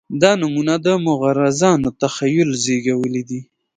دا نومونه د مغرضانو تخیل زېږولي دي.